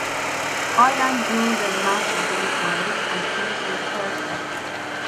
Ireland drew their match against Wales and finished in third place.